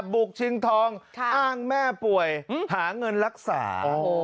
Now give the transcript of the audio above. บุกชิงทองอ้างแม่ป่วยหาเงินรักษา